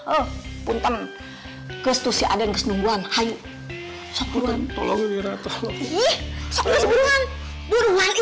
eh punten gestus si aden kesenungan hai sebutan tolong diri tolong ih sebutan burungan burungan ii